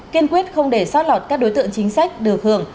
kiên quyết không để sót lọt các đối tượng chính sách được hưởng